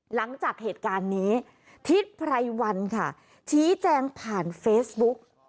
หลังจากเหตุการณ์นี้ทิศไพรวันค่ะชี้แจงผ่านเฟซบุ๊ก